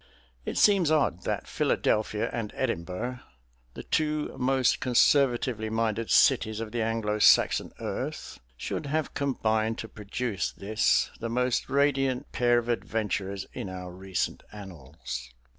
It seems odd that Philadelphia and Edinburgh, the two most conservatively minded cities of the Anglo Saxon earth, should have combined to produce this, the most radiant pair of adventurers in our recent annals.